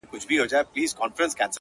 خوبيا هم ستا خبري پټي ساتي ـ